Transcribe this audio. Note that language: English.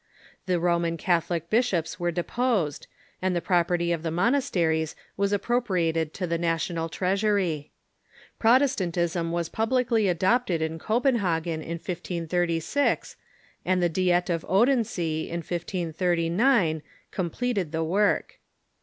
The Roman Catholic bishops were deposed, and the property of the monasteries was appropriated to the national treasury. Protestantism was publicly adopted in Copenhagen in 1536, and the Diet of Odensee, in 1539, com pleted the work.